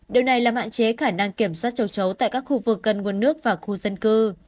điều này làm hạn chế khả năng kiểm soát châu chấu tại các khu vực gần nguồn nước và khu dân cư